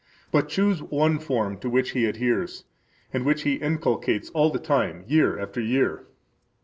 but choose one form to which he adheres, and which he inculcates all the time, year after year.